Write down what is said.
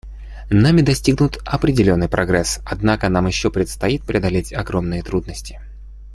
Нами достигнут определенный прогресс, однако нам еще предстоит преодолеть огромные трудности.